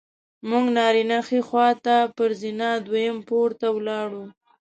موږ نارینه ښي خوا ته پر زینه دویم پوړ ته ولاړو.